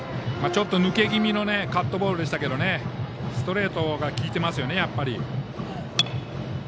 ちょっと抜け気味のカットボールでしたけどストレートが効いてますよね。